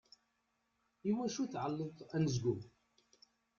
I wacu tεelleḍt anezgum?